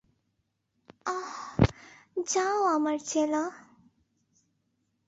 আহ, যাও আমার চ্যালা।